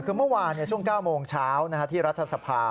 คือเมื่อวานช่วง๙โมงเช้าที่รัฐสภา